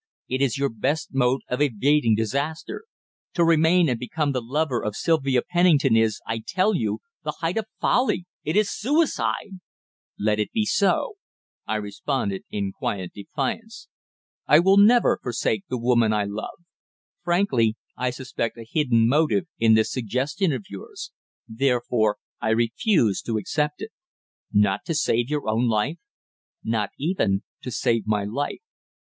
It is your best mode of evading disaster. To remain and become the lover of Sylvia Pennington is, I tell you, the height of folly it is suicide!" "Let it be so," I responded in quiet defiance. "I will never forsake the woman I love. Frankly, I suspect a hidden motive in this suggestion of yours; therefore I refuse to accept it." "Not to save your own life?" "Not even to save my life.